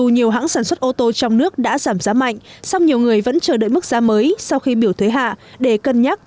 nước đã giảm giá mạnh xong nhiều người vẫn chờ đợi mức giá mới sau khi biểu thuế hạ để cân nhắc